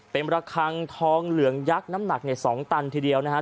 เป็นบรรคังทองเหลืองยักษ์น้ำหนักในสองตันทีเดียวนะฮะ